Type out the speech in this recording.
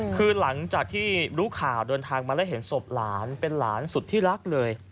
คือหลังจากที่รู้ข่าวเดินทางมาแล้วเห็นศพหลานเป็นหลานสุดที่รักเลย